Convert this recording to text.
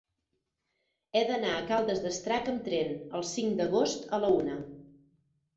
He d'anar a Caldes d'Estrac amb tren el cinc d'agost a la una.